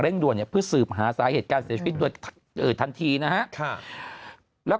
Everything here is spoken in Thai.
เร่งด่วนเพื่อสืบหาสายเหตุการเสียชีวิตด้วยทันทีนะฮะแล้ว